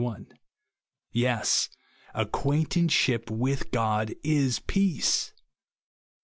Yes ; acquaintanceship with God is peace